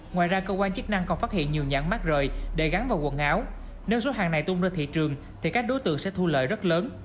ngoài ra cơ quan chức năng còn phát hiện nhiều nhãn mát rời để gắn vào quần áo nếu số hàng này tung ra thị trường thì các đối tượng sẽ thu lợi rất lớn